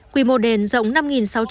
quy mô đền rộng năm sáu trăm linh m hai